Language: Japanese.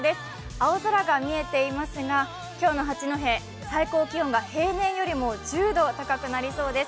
青空が見えていますが今日の八戸、最高気温が平年よりも１０度高くなりそうです。